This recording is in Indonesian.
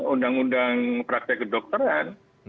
undang undang praktek kedokteran